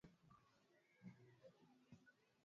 Kwa kweli nimekuwa nikijikaza